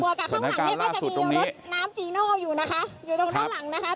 สถานการณ์ล่าสุดตรงนี้น้ำจีโน่อยู่นะคะอยู่ตรงด้านหลังนะคะ